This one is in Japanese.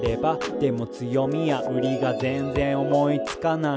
「でも強みや売りが全然思いつかない、、」